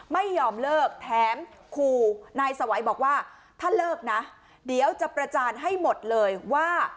ไม่ยอมเลิกแถมคู่นายสวัยบอกว่าถ้าเลิกนะเดี๋ยวจะประจานให้หมดเลยว่า